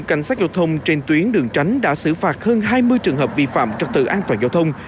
cảnh sát giao thông trên tuyến đường tránh đã xử phạt hơn hai mươi trường hợp vi phạm trật tự an toàn giao thông